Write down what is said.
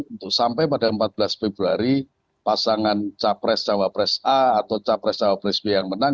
untuk sampai pada empat belas februari pasangan capres cawapres a atau capres cawapres b yang menang